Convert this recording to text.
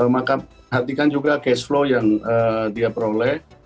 maka hatikan juga cash flow yang dia peroleh